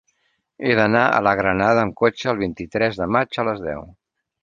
He d'anar a la Granada amb cotxe el vint-i-tres de maig a les deu.